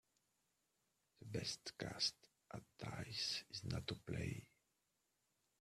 The best cast at dice is not to play.